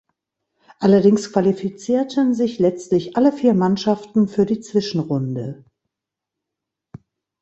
Allerdings qualifizierten sich letztlich alle vier Mannschaften für die Zwischenrunde.